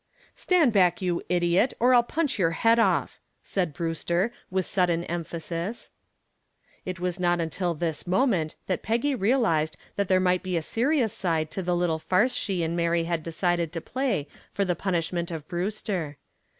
"Stand back, you idiot, or I'll punch your head off," said Brewster, with sudden emphasis. It was not until this moment that Peggy realized that there might be a serious side to the little farce she and Mary had decided to play for the punishment of Brewster.